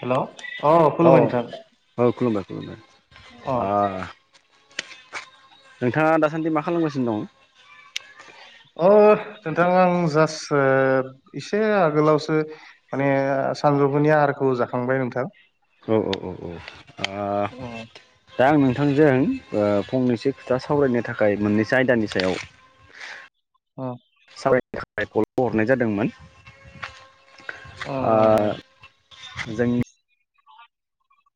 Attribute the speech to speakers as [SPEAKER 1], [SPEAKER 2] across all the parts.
[SPEAKER 1] Hello अ
[SPEAKER 2] औ
[SPEAKER 1] खुलुमबाय नोंथां।
[SPEAKER 2] औ खुलुमबाय खुलुमबाय
[SPEAKER 1] अ
[SPEAKER 2] आ नोंथाङा दासान्दि मा खालामगासिनो दं?
[SPEAKER 1] अ नोंथां आं जास्ट एसे आगोलावसो माने सानजौफुनि आहारखौ जाखांबाय नोंथां
[SPEAKER 2] औ औ औ औ आ
[SPEAKER 1] अ
[SPEAKER 2] दा आं नोंथांजों ओ फंनैसो खोथा सावरायनो थाखाय मोननैसो आयदानि सायाव [unintelligible]
[SPEAKER 1] अ
[SPEAKER 2] सावरायनो थाखाय कलखौ हरनाय जादोंमोन
[SPEAKER 1] अ
[SPEAKER 2] ओ
[SPEAKER 1] अ
[SPEAKER 2] जोंनि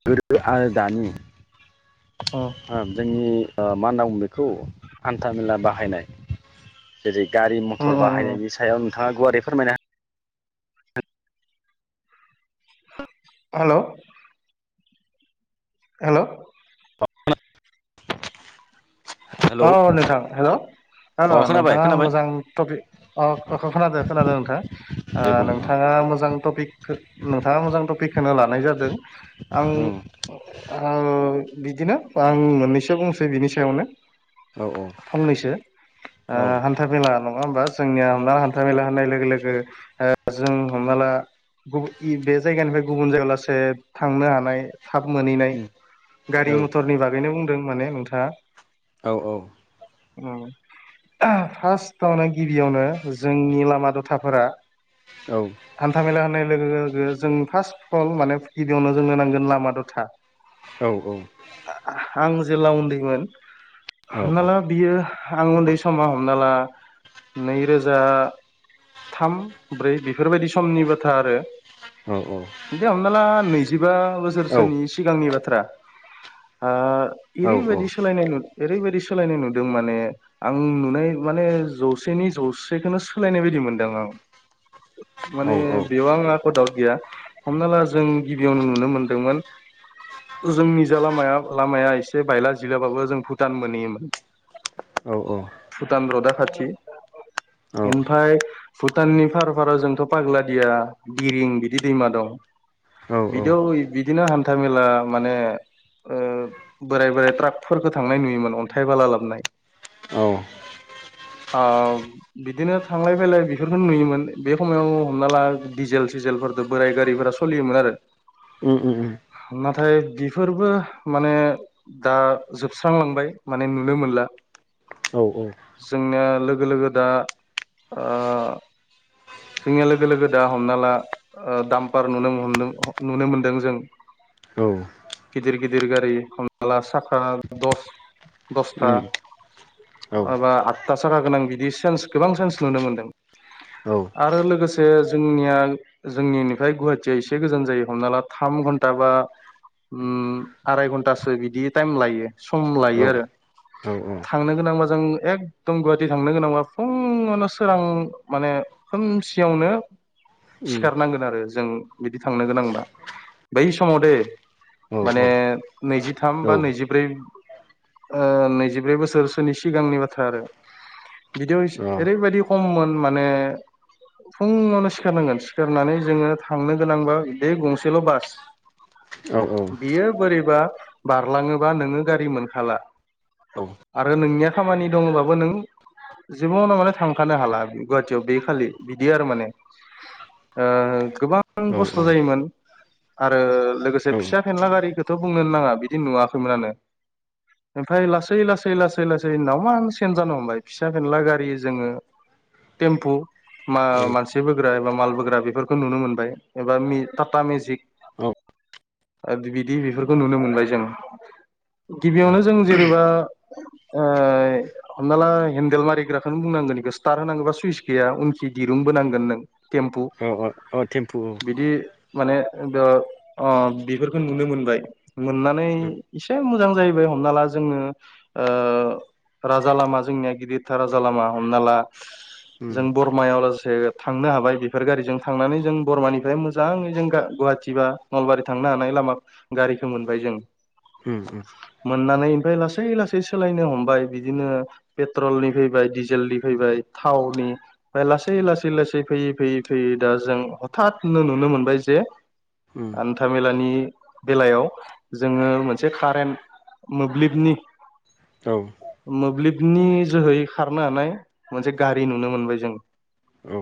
[SPEAKER 2] गोदो आरो दानि
[SPEAKER 1] अ
[SPEAKER 2] ओ नि मा होनना बुंड़ो बेखौ हान्थामेला बाहायनाय जेरै गारि
[SPEAKER 1] उम
[SPEAKER 2] मथर
[SPEAKER 1] उम उम
[SPEAKER 2] बाहायनायनि सायाव नोंथाङा गुवारै फोरमायनो
[SPEAKER 1] हालौ हेल'
[SPEAKER 2] हेलौ
[SPEAKER 1] अ नोथां हेल' हेल'
[SPEAKER 2] अ खोनाबाय
[SPEAKER 1] नोंथाङा
[SPEAKER 2] खोनाबाय
[SPEAKER 1] मोजां टपिक अ खोनादों खोनादों नोंथा ओ
[SPEAKER 2] दे बुं औ
[SPEAKER 1] नोंथाङा मोजां टपिक नोंथाङा मोजां टपिकखोनो लानाय जादों आं ओ बिदिनो आं मोननैसो बुंसै बिनि सायावनो
[SPEAKER 2] औ औ
[SPEAKER 1] फंनैसो ओ
[SPEAKER 2] औ
[SPEAKER 1] हान्था मेला नङा होमबा जोंनिया हमना हान्था मेला होननाय लोगो लोगो ओ जों हमना ला [unintelligible] बे जायगानिफ्राय गुबुन जायगा लासे थांनो हानाय थाब मोनहैनाय
[SPEAKER 2] औ
[SPEAKER 1] गारि मथरनि बागैनो बुंदों माने नोंथाङा
[SPEAKER 2] औ औ
[SPEAKER 1] उम फार्स्टआवनो गिबियावनो जोंनि लामा दथाफोरा
[SPEAKER 2] औ
[SPEAKER 1] हान्था मेला होनाय लोगो लोगो जों फार्स्ट फल माने गिबियावनो जोंनो नांगोन लामा दथा।
[SPEAKER 2] औ औ
[SPEAKER 1] आ-आं जेला उन्दैमोन
[SPEAKER 2] औ
[SPEAKER 1] हमना ला बियो आं उन्दै समाव हमना ला नै रोजा थाम ब्रै बेफोरबायदि समनि बाथ्रा आरो
[SPEAKER 2] औ औ
[SPEAKER 1] हमना ला नैजिबा बोसोरसोनि सिगांनि बाथ्रा ओ एरैबायदि सोलायनाय नु एरैबायदि सोलायनाय नुदों माने आं नुनाय माने जौसेनि जौसेखौनो सोलायनाय बायदि मोनदों आं
[SPEAKER 2] [inaudible]
[SPEAKER 1] माने बेयाव आं एक' दाउट गैया हमना ला जों गिबियावनो नुनो मोनदोंमोन जोंनि जा लामाया-लामाया एसे बायला जिलाबाबो जों भुटान मोनहैयोमोन।
[SPEAKER 2] औ औ
[SPEAKER 1] भुतान रदा खाथि ओमफाय भुटाननि फार फारा जोंथ' पाग्लादिया दिरिं बिदि दैमा दं।
[SPEAKER 2] औ
[SPEAKER 1] [unintelligible] बिदिनो हान्था मेला माने ओ बोराय बोराय ट्राकफोरखौ थांनाय नुयोमोन अन्थाइ बाला लाबनाय
[SPEAKER 2] [inaudible]
[SPEAKER 1] औ बिदिनो थांलाय फैलाय बेफोरखौ नुयोमोन बे खमायाव हमना ला दिजेल सिजेलफोर बोराय गारिफोरा सोलियोमोन आरो
[SPEAKER 2] [inaudible] उम
[SPEAKER 1] नाथाय बेफोरबो माने दा जोब- सुस्रांलांबाय माने नुनो मोनला।
[SPEAKER 2] औ औ
[SPEAKER 1] जोंनिया लोगो लोगो दा ओ जोंनिया लोगो लोगो दा हमना ला ओ दाम्पार नुनो हमदों नुनो मोनदों जों।
[SPEAKER 2] औ
[SPEAKER 1] गिदिर गिदिर गारि हमना ला साखा
[SPEAKER 2] औ उम
[SPEAKER 1] दस-दसथा
[SPEAKER 2] औ औ
[SPEAKER 1] माबा आदथा साखा गोनां बिदि सेन्स गोबां सेन्स नुनो मोन्दों। आरो लोगोसे जोंनिया जोंनिनिफ्राय गुवाहाटिया एसे गोजान जायो। हमना ला थाम घन्टा बा उम आराय घन्टासो बिदि टाइम लायो सम
[SPEAKER 2] अ औ
[SPEAKER 1] लायो आरो।
[SPEAKER 2] औ औ
[SPEAKER 1] थांनो गोनांबा जों एकदम गुवाहाटि थांनो गोनांबा फुङावनो सोरां माने खोमसियावनो सिखारनांगोन आरो जों बिदि थांनो गोनांबा। बै समाव दे माने नैजिथाम बा नैजिब्रै ओ नैजिब्रै बोसोरसोनि सिगांनि बाथ्रा आरो। बिदियाव इसे
[SPEAKER 2] औ
[SPEAKER 1] एरैबायदि खममोन माने फुङावनो सिखारनांगोन सिखारनानै जोङो थांनो गोनांबा बे गंसेल' बास
[SPEAKER 2] औ
[SPEAKER 1] बियो बोरैबा बारलाङोबा नोङो गारि मोनखाला। आरो नोंनिया खामानि दंबाबो नों जिबनाव माने थांखानो हाला गुवाहाटियाव बे खालि बिदि आरो माने। ओ गोबां खस्थ' जायोमोन। आरो लोगोसे फिसा फेनला गारिखौथ' बुंनो नाङा बिदि नुवाखैमोनानो। ओमफ्राय लासै लासै लासै लासैनावमा सेन्स जानो हमबाय। फिसा फेनला गारि जोङो टेम्पु मा मानसि बोग्रा एबा माल बोग्रा बेफोरखौ नुनो मोनबाय एबा मि टाटा मेजिक
[SPEAKER 2] औ
[SPEAKER 1] ओ बिदि बिदि बेफोरखौ नुनो मोनबाय जों। गिबियावनो जों जेनेबा ओ हमना ला हेन्देल मारिग्राखौ बुंनांगोन इखौ स्टार् होनांगौबा सुइस गैया उनखि दिरुं बोनांगोन नों। टेम्पु
[SPEAKER 2] अ अ थेम्फु औ
[SPEAKER 1] बिदि माने बे अ बेफोरखौ नुनो मोनबाय। मोननानै इसे मो मोजां जाहैबाय हमना ला जोंनो ओ राजा लामा जोंनिया गिदिरथार राजा लामा हमना ला
[SPEAKER 2] उम
[SPEAKER 1] जों बर बरमायाव लासे थांनो हाबाय बेफोर गारिजों थांनानै जों बरमानिफ्राय मोजाङै जों गुवाहाटि बा नलबारि थांनो हानाय लामा गारिखौ मोनबाय जों।
[SPEAKER 2] उम उम
[SPEAKER 1] मोननानै ओमफ्राय लासै लासै सोलायनो हमबाय बिदिनो पेट्रलनि फैबाय दिडिजेलनि फैबाय थावनि लासै लासै लासै फैयै फैयै फैयै दा जों हथतनो नुनो मोनबाय जे
[SPEAKER 2] उम
[SPEAKER 1] हान्था मेलानि बेलायाव जोङो मोनसे खा फ्रेम मोब्लिबनि
[SPEAKER 2] औ
[SPEAKER 1] मोब्लिबनि जोहै खारनो हानाय मोनसे गारि नुनो मोनबाय जों।
[SPEAKER 2] औ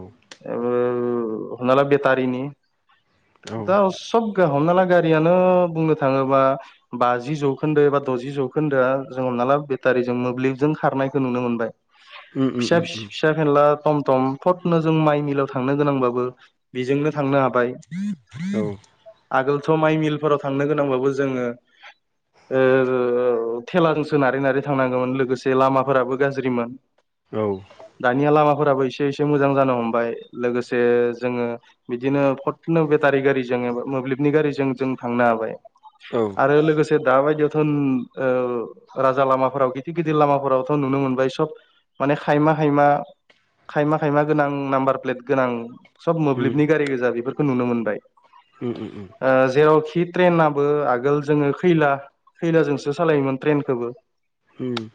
[SPEAKER 1] हमना ला बेटारिनि। दा सब गा हमना ला गारियानो बुंनो थाङोबा बाज जि जौखोन्दो एबा द'जि जौखोन्दोआ जोंङो हमना ला बेटारिजों मोब्लिबजों खारनायखौ नुनो मोनबाय।
[SPEAKER 2] उम उम औ उम
[SPEAKER 1] फिसा
[SPEAKER 2] उम औ
[SPEAKER 1] फिसा फेनला टम थटम थथनो जों माइ मिलाव थांनो गोनांबाबो बेजोंनो थांनो हाबाय
[SPEAKER 2] औ
[SPEAKER 1] आगोलथ' माइ मिलफोराव थांनो गोनांबाबो जोङो ओ थेलाजों सो नारै नारै थांनांगौमोन लोगोसे लामाफोराबो गाज्रिमोन
[SPEAKER 2] औ
[SPEAKER 1] दानिया लामाफोराबो एसे एसे मोजां जानो हमबाय लोगोसे जोङो बिदिनो फन बेटारि गारिजों एबा मोब्लिबनि गारिजों जों थांनो हाबाय आरो लोगोसे दााबायदियावथ'ओ राजा लामाफोराव गिदिर गिदिर लामाफोरावथ' नुनो मोनबाय सब माने खायमा खायमा खायमा खायमा गोनां नाम्बार प्लेट गोनां सब मोब्लिबनि गारि गोजा बेफोरखौ नुनो मोनबाय ओ जेरावखि ट्रेनाबो आगोल जोङो खैला खैलाजोंसो सालायोमोन ट्रेनखौबो
[SPEAKER 2] उम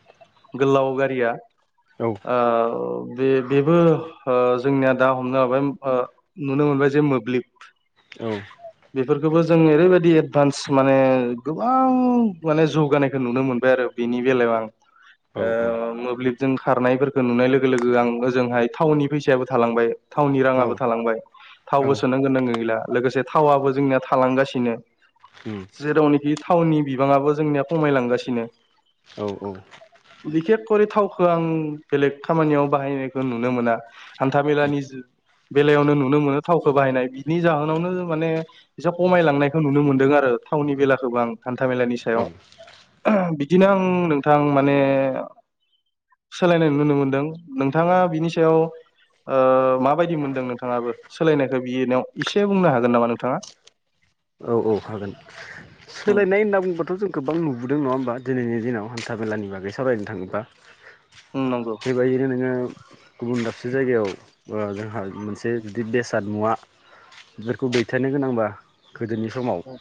[SPEAKER 1] गोलाव गारिया ओ बे बेबो जोंनिया दा हमनो हाबाय नुनो मोनबाय जे मोब्लिब
[SPEAKER 2] औ
[SPEAKER 1] बेफोरखौबो जों ओरैबायदि एडभान्स माने गोबां माने जौगानायखौ नुनो मोनबाय आरो बेनि बेलायाव आं ओ मोब्लिबजों खारनायफोरखौ नुनाय लोगो लोगो आं ओजोंहाय टाावननि फैसायाबो थालांबाय। थावनि
[SPEAKER 2] औ औ
[SPEAKER 1] राङाबो थालांबाय। थावबो
[SPEAKER 2] औ
[SPEAKER 1] सोनांगोन नांगो गैला लोगोसे थावाबबो जोंनिया थालांगासिनो-
[SPEAKER 2] उम
[SPEAKER 1] जेरावनोखि थावनि बिबाङाबो जोंनिया खमायलांगासिनो
[SPEAKER 2] औ औ।
[SPEAKER 1] बिखेख कररि थावखौ आं बेलेग खामानियाव बाहायनायखौ नुनो मोना। हान्था मेलानि बेलायावनो नुनो मोनो थावखौ बाहायनाय बिनि जाहोनावनो माने एसा खमायलांनायखौ नुनो मोन्दों आरो थावनि बेला गोबां हान्था मेलानि
[SPEAKER 2] औ
[SPEAKER 1] सायाव बिदिनो आं नोंथां माने सोलायनाय नुनो मोनदों नोंथाङा बिनि सायाव ओ माबायदि मोनदों नोंथाङाबो सोलायनायखौ बिनायाव इसे बुंनो हागोन नामा नोंथाङा
[SPEAKER 2] औ औ हागोन
[SPEAKER 1] उम
[SPEAKER 2] सोलायनाय होनना बुंबाथ' जों गोबां नुबोदों नङा होमबा दिनैनि दिनाव हान्था मेलानि बागै सावरायनो थाङोबा
[SPEAKER 1] नंगौ।
[SPEAKER 2] बि नोङो गुबुन दाबसे जायगायाव जोंहा मोनसे जुदि बेसाद मुवा बेफोरखौ दैथायारनो गोनांबा गोदोनि समाव
[SPEAKER 1] औ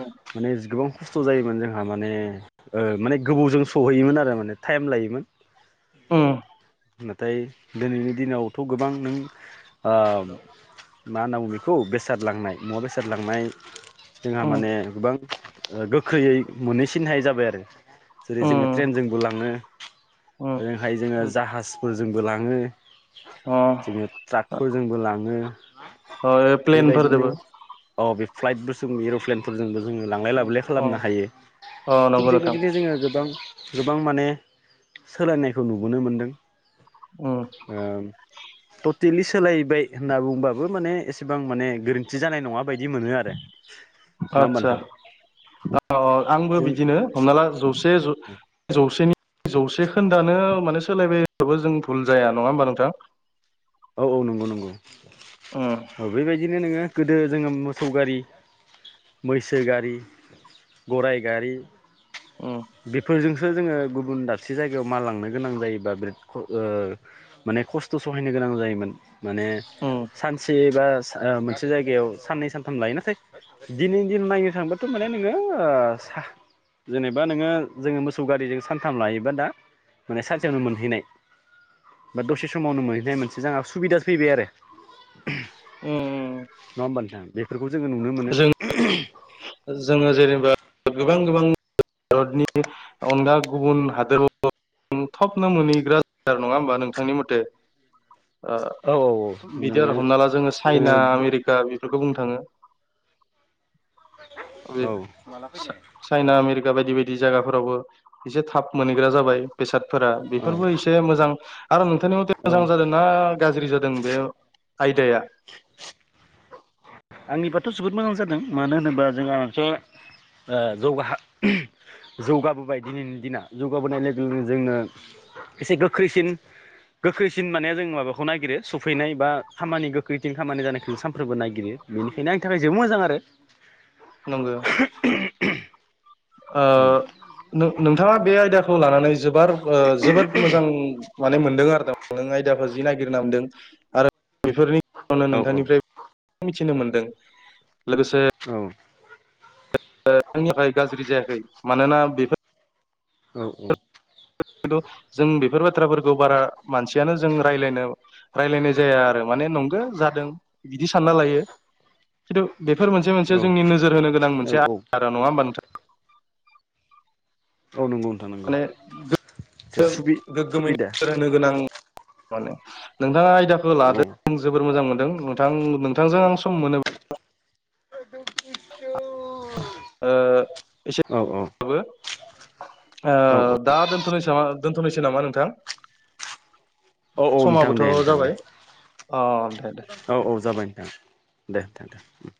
[SPEAKER 1] औ।
[SPEAKER 2] माने गोबां खस्थ' जायोमोन जोंहा माने माने गोबौजों सहैयोमोन आरो माने टाइम लायोमोन- नाथाय दिनैनि दिनावथ' गोबां नों ओ मा होनना ब बेखौ बेसाद लांनाय मुवा बेसाद लांनाय जोंहा
[SPEAKER 1] उम
[SPEAKER 2] माने गोबां गोख्रैयै मोनहैसिनहाय जाबाय आरो जेरै जोङो ट्रेनजोंबो लाङो
[SPEAKER 1] उम
[SPEAKER 2] ओरैहाय जोङो जा
[SPEAKER 1] उम
[SPEAKER 2] जाहासफोरजोंबो लाङो
[SPEAKER 1] अ
[SPEAKER 2] जोङो ट्राकफोरजोंबो लाङो
[SPEAKER 1] अ
[SPEAKER 2] बेबायदिनो
[SPEAKER 1] प्लेनफोरजोंबो
[SPEAKER 2] औ बे फ्लाइटबोजों एर'प्लेनफोरजोंबो जोङो लांलाय लाबोलाय
[SPEAKER 1] अ
[SPEAKER 2] खालामनो हायो
[SPEAKER 1] अ
[SPEAKER 2] थिग
[SPEAKER 1] नंगौ नोंथां
[SPEAKER 2] बेबायदिनो जोङो गोबां गोबां माने सोलायनायखौ नुबोनो मोनदों!
[SPEAKER 1] औ।
[SPEAKER 2] ओम टटेलि सोलायबाय होनना बुंबाबो माने एसेबां माने गोरोन्थि जानाय नङा। बायदि मोनो आरो नंङा होमबा
[SPEAKER 1] आदसा
[SPEAKER 2] नोंथां?
[SPEAKER 1] आंबो
[SPEAKER 2] जों
[SPEAKER 1] बिदिनो हमना ला जौसे जौसेनि जौसे खोन्दानो माने सोलायबाय [unintelligible] बाबो जों बुल जाया नङा होमबा नोंथां?
[SPEAKER 2] औ औ नंगौ नंगौ
[SPEAKER 1] उम
[SPEAKER 2] औ बेबायदिनो नोङो गोदो जोङो मोसौ गारि मैसो गारि गराइ गारि।
[SPEAKER 1] उम
[SPEAKER 2] बेफोरजोंसो जोङो गुबुन दाबसे जायगायाव माल लांनो गोनां जायोबा बिराद ख ओ माने खस्थ' सहायनो गोनां जायोमोन माने
[SPEAKER 1] उम
[SPEAKER 2] सानसे बा मोनसे जायगायाव साननै सानथाम लायो नाथाय दिनैनि दिन नायनो थांबाथ' माने नोङो सा जेनेबा नोङो जोङो मोसौ गारिजों सानथाम लायोबा दा माने सानसेयावनो मोनहैनाय बा दसे समावनो मोनहै बे मोनसे जोंहा सुबिदा फैबाय आरो
[SPEAKER 1] उम
[SPEAKER 2] नङा होमबा नोंथां बे [unintelligible] फोरखौ जोङो नुनो मोनो
[SPEAKER 1] जों
[SPEAKER 2] [unintelligible]
[SPEAKER 1] जोङो जेनेबा गोबां गोबां भारतनि अनगा गुबुन हादोराव नों थबनो मोनहैग्राा नङा होमबा नोंथांनि मथे? ओ
[SPEAKER 2] औ औ
[SPEAKER 1] बिदि
[SPEAKER 2] नोङो
[SPEAKER 1] आरो हमना ला जोङो चाइना
[SPEAKER 2] जोङो
[SPEAKER 1] आमेरिका बेफोरखौ बुंनो थाङो। बे
[SPEAKER 2] औ
[SPEAKER 1] चा-चाइना आमेरिका बायदि बायदि जागाफोरावबो। एसे थाब मोनहैग्रा जाबाय बेसादफोरा
[SPEAKER 2] औ
[SPEAKER 1] बेफोरबो एसे मोजां आरो नोंथांनि मथे
[SPEAKER 2] औ
[SPEAKER 1] मोजां जादों। ना गाज्रि जादों बे आयदाया?
[SPEAKER 2] आंनिबाथ' जोबोद मोजां जादों मानो होनोबा जोंहाथ' जौगा [unintelligible] जौगाबोबाय दिनैनि दिना जौगाबोनाय लोगो जोंनो एसे गोख्रैसिन। गोख्रैसिन माने जों माबाखौ नायगिरो सफैनाय बा खामानि गोखैथिं खामानि जानायखौ जों सानफ्रोमबो नायगिरो। बेनिखायनो आंनि थाखाय जोबोद मोजां आरो।
[SPEAKER 1] नोंगो ओ नों-नोंथाङा बे आयदाखो खौ लानानै जोबार जोबोर मोजां। माने मोनदों आरो नों आयदाफोर जि नागिरना मोनदों आरो बेफोरनिनो
[SPEAKER 2] औ
[SPEAKER 1] नोंथांनिफ्राय। मिथिनो मोनदों लोगोसे।
[SPEAKER 2] औ।
[SPEAKER 1] [unintelligible] नि थाखाय गाज्रि जायाखै मानोना बेफोर।
[SPEAKER 2] औ औ।
[SPEAKER 1] खिन्थु जों बेफोर बाथ्राफोरखौ बारा मानसियानो जों रायलायनो। रायलायनाय जाया आरो माने नंगो जादों बिदि सानना लायो खिन्थु। बेफोर मोनसे
[SPEAKER 2] औ
[SPEAKER 1] मोनसे जोंनि नोजोर होनो गोनां मोनसे
[SPEAKER 2] औ
[SPEAKER 1] आदा नङा होमबा नोंथां?
[SPEAKER 2] औ नंगौ। नंगौ
[SPEAKER 1] माने [unintelligible]
[SPEAKER 2] एसे सुबि
[SPEAKER 1] गोग्गोमैनो।
[SPEAKER 2] सुबिदा
[SPEAKER 1] होन [unintelligible] गोनां माने नोंथाङा आयदाखो
[SPEAKER 2] औ
[SPEAKER 1] लादो। आं जोबोर मोजां मोनदों नोंथां नोंथांजों आं सम मोनो। ओ [unintelligible]
[SPEAKER 2] औ औ।
[SPEAKER 1] दाबो
[SPEAKER 2] औ
[SPEAKER 1] ओ दोनथ'नोसै दोनथ'नोसै नामा नोंथां?
[SPEAKER 2] औ नोंथां
[SPEAKER 1] समाबोथ'
[SPEAKER 2] दे नोंथां दे
[SPEAKER 1] जाबाय अ दे दे।
[SPEAKER 2] औ औ जाबाय नोंथां दे नोंथां दे उम